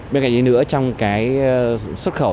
bên cạnh gì nữa trong cái xuất khẩu